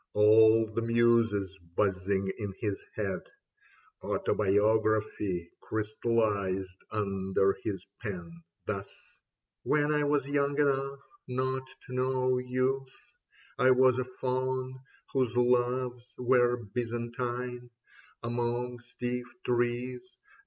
All the muses buzzing in his head. Autobiography crystallised under his pen, thus :" When I was young enough not to know youth, I was a Faun whose loves were Byzantine Among stiff trees.